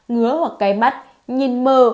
ngứa hoặc cái mắt nhìn mờ